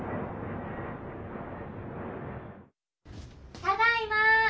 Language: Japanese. ・ただいま！